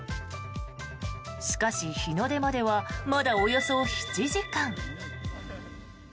しかし、日の出まではまだおよそ７時間。